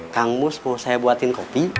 kang mus mau saya buatin kopi